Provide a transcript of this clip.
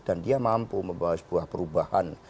dan dia mampu membawa sebuah perubahan